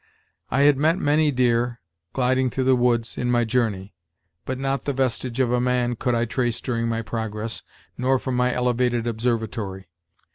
I had met many deer, gliding through the woods, in my journey; but not the vestige of a man could I trace during my progress, nor from my elevated observatory.